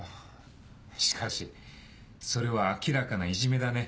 しかしそれは明らかないじめだね